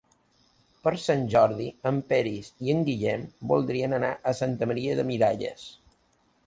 Per Sant Jordi en Peris i en Guillem voldrien anar a Santa Maria de Miralles.